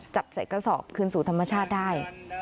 จับใส่กระสอบคืนสู่ธรรมชาติได้